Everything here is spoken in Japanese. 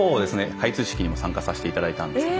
開通式にも参加させて頂いたんですけども。